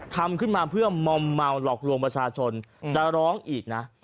ทำขึ้นมาเพื่อมอมเมาหลอกลวงประชาชนจะร้องอีกนะ